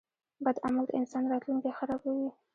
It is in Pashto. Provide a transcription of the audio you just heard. • بد عمل د انسان راتلونکی خرابوي.